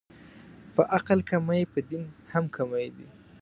په عقل کمې، په دین هم کمې دي